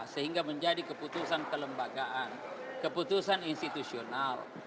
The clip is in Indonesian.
sehingga menjadi keputusan kelembagaan keputusan institusional